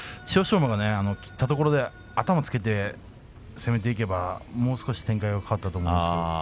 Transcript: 馬が切ったところで頭をつけて攻めていけばもう少し展開が変わったと思いますが。